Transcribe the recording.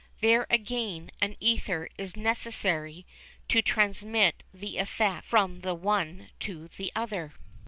There again an ether is necessary to transmit the effect from the one to the other.